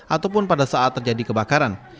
ataupun pada saat terjadi kebakaran